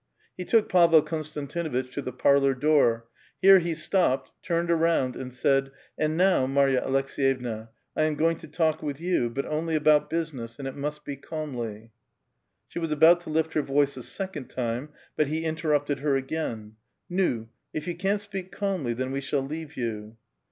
He took Pavel Konstantinuitch to the parlor door ; here he stopped, turned around, and said :" And now, Marya Alek s^yevna, I am going to talk with you ; but only about busi ness, and it must be calmly." She was about to lift her voice a second time, but he interrupted her again, '* ^w, if you can't speak calmly, then we shall leave you."